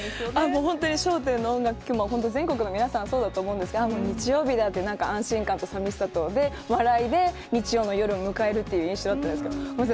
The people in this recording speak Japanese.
本当に笑点の音楽聴くと、本当、全国の皆さん、そうだと思うんですけど、日曜日だってなんか安心感とさみしさと、で、笑いとで、日曜の夜を迎えるっていう印象があったじゃないですか。